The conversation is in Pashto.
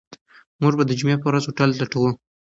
موږ به د جمعې په ورځ هوټل لټوو.